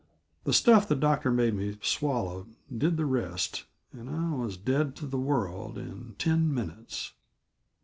The stuff the doctor made me swallow did the rest, and I was dead to the world in ten minutes.